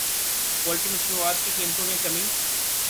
poultry مصنوعات کی قیمتوں میں کمی